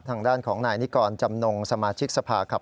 ทางด้านของนายนิกรจำนงสมาชิกสภาครับ